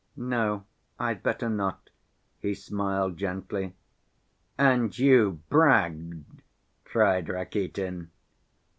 "No, I'd better not," he smiled gently. "And you bragged!" cried Rakitin.